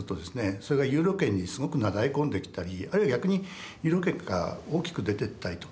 それがユーロ圏にすごくなだれ込んできたりあるいは逆にユーロ圏から大きく出てったりと。